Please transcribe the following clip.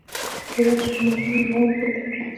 د هرات پل مالان ارغوان پل دی